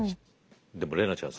でも怜奈ちゃんさ